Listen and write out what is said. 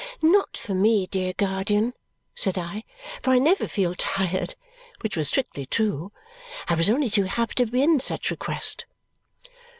"Not for me, dear guardian," said I, "for I never feel tired," which was strictly true. I was only too happy to be in such request.